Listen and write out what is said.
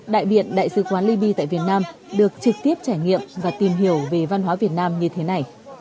đại biện đại sứ quán liby tại việt nam được trực tiếp trải nghiệm và tìm hiểu về văn hóa việt nam như thế này